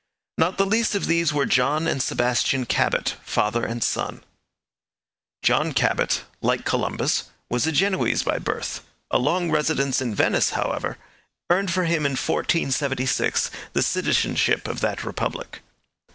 Not the least of these were John and Sebastian Cabot, father and son. John Cabot, like Columbus, was a Genoese by birth; a long residence in Venice, however, earned for him in 1476 the citizenship of that republic.